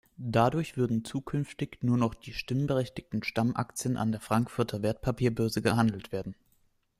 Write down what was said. Dadurch würden zukünftig nur noch die stimmberechtigten Stammaktien an der Frankfurter Wertpapierbörse gehandelt werden.